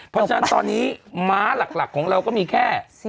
เพราะฉะนั้นตอนนี้ม้าหลักของเราก็มีแค่